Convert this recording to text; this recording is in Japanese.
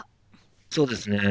そうですね